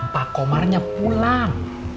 pak komarnya pulang